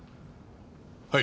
はい。